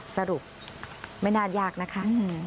สรุปไม่น่ายากนะคะ